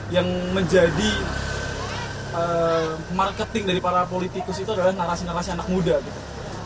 yang menjadi marketing dari para politikus itu adalah narasi narasi anak muda gitu